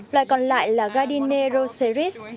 loài còn lại là gardinia roseris